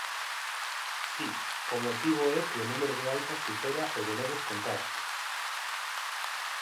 Si, o motivo é que o número de altas supera o de novos contaxios.